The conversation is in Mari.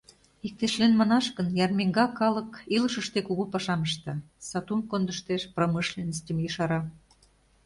Иктешлен манаш гын, ярмиҥга калык илышыште кугу пашам ышта: сатум кондыштеш, промышленностьым ешара.